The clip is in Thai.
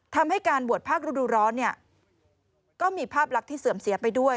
ทำให้การบวชภาคฤดูร้อนเนี่ยก็มีภาพลักษณ์ที่เสื่อมเสียไปด้วย